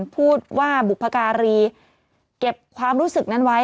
พูดว่าบุพการีเก็บความรู้สึกนั้นไว้